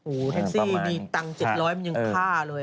โอ้โหแท็กซี่มีตังค์๗๐๐มันยังฆ่าเลย